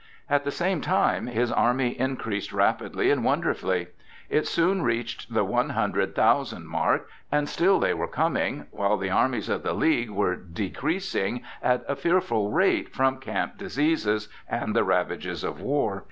At the same time his army increased rapidly and wonderfully. It soon reached the one hundred thousand mark and still they were coming, while the armies of the League were decreasing at a fearful rate from camp diseases and the ravages of war.